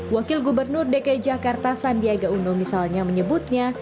wakil gubernur dki jakarta sandiaga uno misalnya menyebutnya